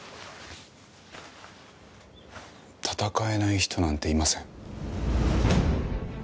闘えない人なんていません。